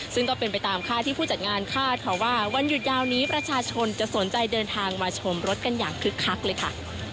ซึ่งก็เป็นไปตามค่าที่ผู้จัดงานคาดค่ะว่าวันหยุดยาวนี้ประชาชนจะสนใจเดินทางมาชมรถกันอย่างคึกคักเลยค่ะ